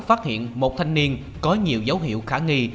phát hiện một thanh niên có nhiều dấu hiệu khả nghi